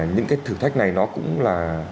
những cái thử thách này nó cũng là